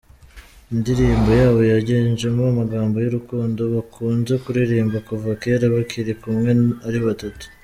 Indirimbo yabo yiganjemo amagambo y’urukundo bakunze kuririmba kuva kera bakiri kumwe ari batatu.